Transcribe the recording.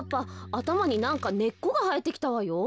あたまになんかねっこがはえてきたわよ。